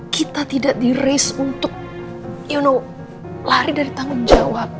kita tidak di raise untuk you know lari dari tanggung jawab